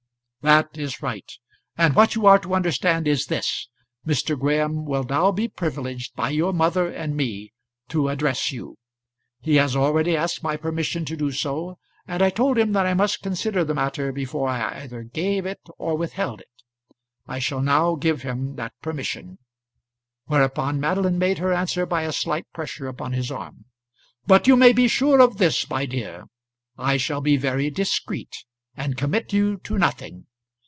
"That is right. And what you are to understand is this; Mr. Graham will now be privileged by your mother and me to address you. He has already asked my permission to do so, and I told him that I must consider the matter before I either gave it or withheld it. I shall now give him that permission." Whereupon Madeline made her answer by a slight pressure upon his arm. "But you may be sure of this, my dear; I shall be very discreet, and commit you to nothing.